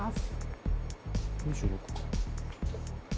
どうしよう。